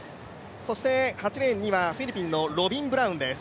８レーンにはフィリピンのロビン・ブラウンです。